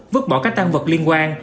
vứt bỏ các tăng vật liên quan